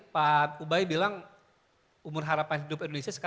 pak ubay bilang umur harapan hidup indonesia